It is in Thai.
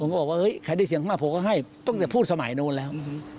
ผมก็บอกว่าเฮ้ยใครได้เสียงข้างมากผมก็ให้ตั้งแต่พูดสมัยโน้นแล้ว